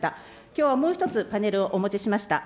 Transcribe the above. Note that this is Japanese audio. きょうはもう１つ、パネルをお持ちしました。